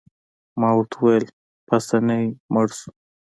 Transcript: ما ورته وویل: پاسیني مړ شو.